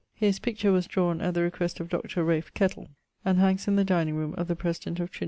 His picture was drawne at the request of Dr. Ralph Kettle, and hangs in the dining roome of the President of Trin.